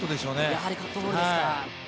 やはりカットボールですか。